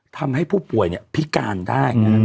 ทำให้ผู้ป่วยพิการได้